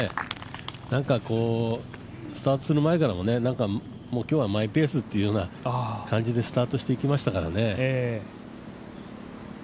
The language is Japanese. スタートする前から、今日はマイペースという感じでスタートしていきましたからね。